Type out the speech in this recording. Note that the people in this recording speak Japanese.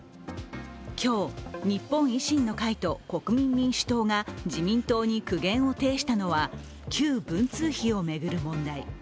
今日、日本維新の会と国民民主党が自民党に苦言を呈したのは旧文通費を巡る問題。